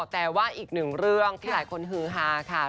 แต่ว่าอีกหนึ่งเรื่องที่หลายคนฮือฮาค่ะ